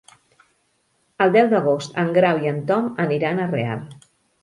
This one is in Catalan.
El deu d'agost en Grau i en Tom aniran a Real.